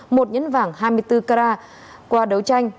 một nhẫn vàng hai mươi bốn carat qua đấu tranh